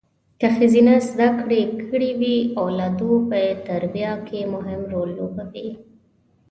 که ښځه زده کړې کړي وي اولادو په تربیه کې مهم رول لوبوي